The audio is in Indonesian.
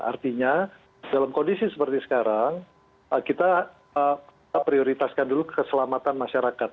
artinya dalam kondisi seperti sekarang kita prioritaskan dulu keselamatan masyarakat